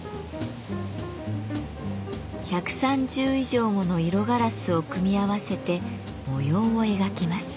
１３０以上もの色ガラスを組み合わせて模様を描きます。